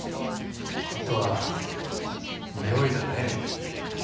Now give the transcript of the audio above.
あとは匂いだね。